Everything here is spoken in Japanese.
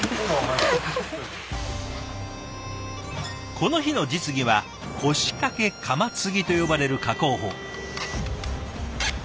この日の実技は腰掛け鎌継ぎと呼ばれる加工法。